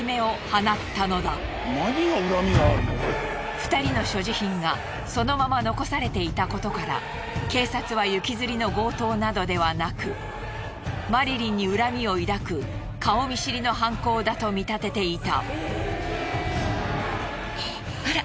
２人の所持品がそのまま残されていたことから警察は行きずりの強盗などではなくマリリンに恨みを抱く顔見知りの犯行だと見立てていた。